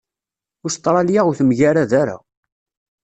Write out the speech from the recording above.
Ustṛalya ur temgarad ara.